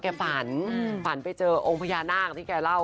ฝันฝันไปเจอองค์พญานาคที่แกเล่า